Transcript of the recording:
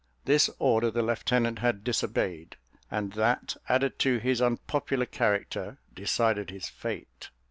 This order the lieutenant had disobeyed, and that, added to his unpopular character, decided his fate.